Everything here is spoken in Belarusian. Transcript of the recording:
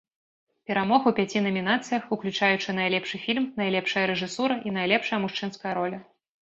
Перамог у пяці намінацыях, уключаючы найлепшы фільм, найлепшая рэжысура і найлепшая мужчынская роля.